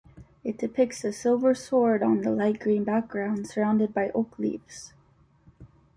It depicts a silver sword on light green background surrounded by oak leaves.